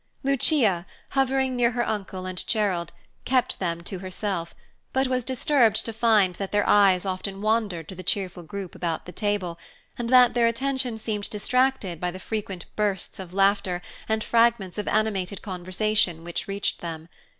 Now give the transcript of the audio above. Lucia, hovering near her uncle and Gerald, kept them to herself, but was disturbed to find that their eyes often wandered to the cheerful group about the table, and that their attention seemed distracted by the frequent bursts of laughter and fragments of animated conversation which reached them.